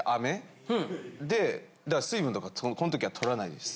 だから水分とかこの時はとらないです。